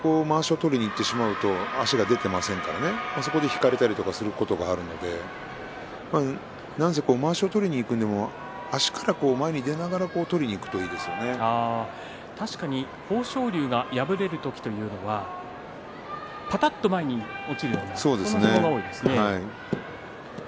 まわしを取りにいってしまうと足が出ていきませんからそこで引かれたりすることがあるのでまわしを取りにいくにも足から前に出ながら確かに豊昇龍が敗れる時はぱたっと前に落ちるそういう相撲が多いですね。